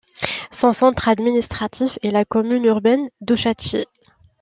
Son centre administratif est la commune urbaine d'Ouchatchy.